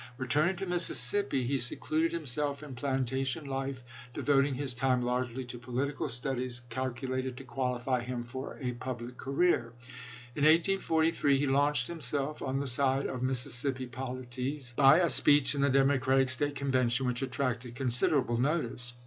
Returning to Mississippi, he se THE MONTGOMEKY CONFEDERACY 205 eluded himself in plantation life, devoting his chap. xiii. time largely to political studies calculated to qualify him for a public career. In 1843 he launched himself on the tide of Mississippi poli tics, by a speech in the Democratic State Conven tion, which attracted considerable notice.